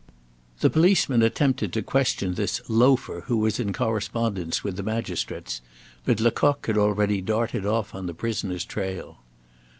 The policeman attempted to question this "loafer" who was in correspondence with the magistrates; but Lecoq had already darted off on the prisoner's trail.